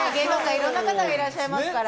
いろんな方がいらっしゃいますから。